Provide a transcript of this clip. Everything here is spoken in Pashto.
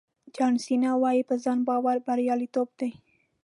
جان سینا وایي په ځان باور بریالیتوب دی.